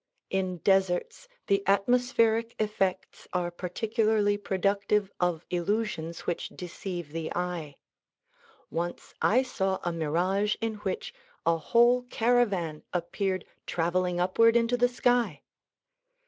In deserts the atmospheric effects are particularly productive of illusions which deceive the eye. Once I saw a mirage in which a whole caravan appeared traveling upward into the sky.